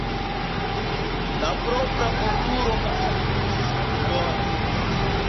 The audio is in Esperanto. La propra kulturo konserviĝis pli bone.